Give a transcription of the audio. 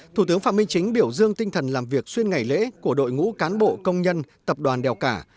thủ tướng phạm minh chính biểu dương tinh thần làm việc xuyên ngày lễ của đội ngũ cán bộ công nhân tập đoàn đèo cả